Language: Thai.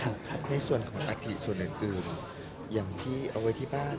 ในส่วนของอัฐิส่วนอื่นอย่างที่เอาไว้ที่บ้าน